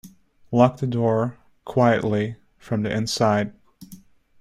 Lock the door — quietly — from the inside.